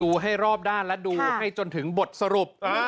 ให้รอบด้านและดูให้จนถึงบทสรุป